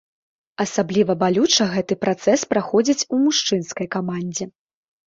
Асабліва балюча гэты працэс праходзіць у мужчынскай камандзе.